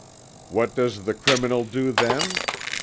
What does the criminal do then?